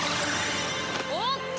おっと！